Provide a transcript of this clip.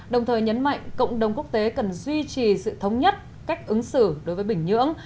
đồng thời nhấn mạnh cộng đồng quốc tế cần duy trì sự thống nhất cách ứng xử đối với bình nhưỡng